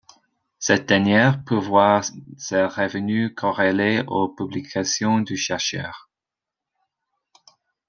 Cette dernière peut voir ses revenus corrélés aux publications du chercheur.